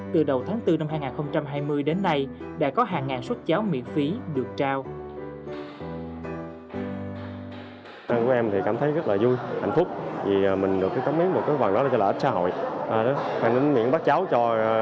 từ đầu tháng bốn năm hai nghìn hai mươi đến nay đã có hàng ngàn xuất cáo miễn phí